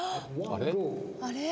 あれ？